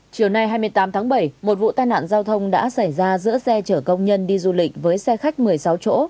chiều nay hai mươi tám tháng bảy một vụ tai nạn giao thông đã xảy ra giữa xe chở công nhân đi du lịch với xe khách một mươi sáu chỗ